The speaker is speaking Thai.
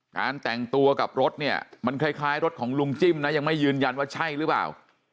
การแต่งตัวกับรถเนี่ยมันคล้ายรถของลุงจิ้มนะยังไม่ยืนยันว่าใช่หรือเปล่า